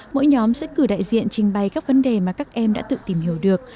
mỗi nhóm sẽ cử đại diện trình bày các vấn đề mà các em đã tự tìm hiểu được